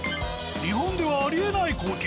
日本ではありえない光景。